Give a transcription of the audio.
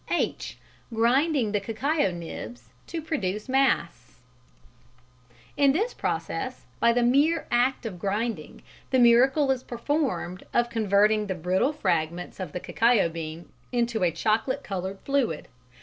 (h) Grinding the Cacao Nibs to Produce Mass. In this process, by the mere act of grinding, the miracle is performed of converting the brittle fragments of the cacao bean into a chocolate coloured fluid.